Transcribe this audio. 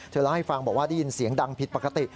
เล่าให้ฟังบอกว่าได้ยินเสียงดังผิดปกติ